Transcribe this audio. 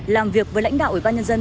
làm việc với lãnh đạo ủy ban nhân dân